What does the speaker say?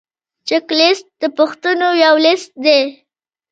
چک لیست د پوښتنو یو لیست دی.